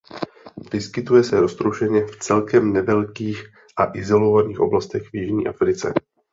Vyskytuje se roztroušeně v celkem nevelkých a izolovaných oblastech v jižní Africe.